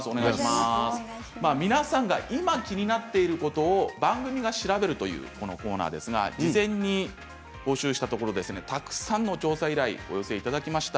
皆さんが今、気になっていることを番組が調べるというこのコーナーですが事前に募集したところたくさんの調査依頼をお寄せいただきました。